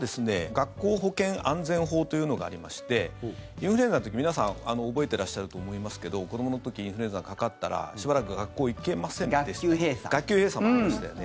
学校保健安全法というのがありましてインフルエンザの時皆さん、覚えてらっしゃると思いますけど子どもの時インフルエンザかかったらしばらく学校行けませんでしたよね。